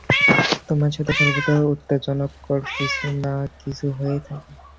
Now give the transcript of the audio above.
তোমার সাথে সর্বদা উত্তেজনকর কিছু না কিছু হয়েই থাকে।